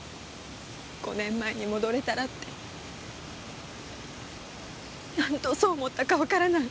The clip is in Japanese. ５年前に戻れたらって何度そう思ったかわからない。